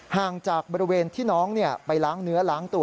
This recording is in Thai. ห่างจากบริเวณที่น้องไปล้างเนื้อล้างตัว